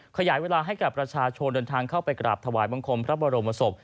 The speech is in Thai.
ขยายเวลาให้กับประชาชนเดินทางเข้าไปกราบถวายบังคมพระบรมศพ